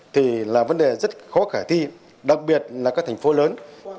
thì là vấn đề rất khó khả thi đặc biệt là các thành phố lớn